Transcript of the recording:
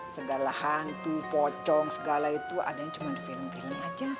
segala hantu pocong segala itu ada yang cuma di film film aja